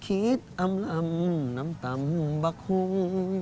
คิดอำลำน้ำตำบะคุ้ง